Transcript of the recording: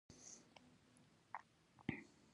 یهودي جنازه وه ولې هغه انسان نه دی.